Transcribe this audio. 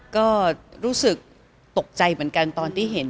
ก็รู้สึกตกใจเหมือนกันตอนที่เห็น